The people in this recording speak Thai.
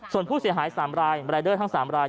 ส่วนผู้เสียหาย๓รายรายเดอร์ทั้ง๓ราย